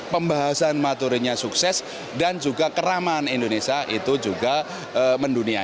pembahasan materinya sukses dan juga keramaan indonesia itu juga mendunia